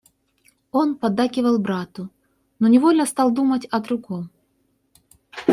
Он поддакивал брату, но невольно стал думать о другом.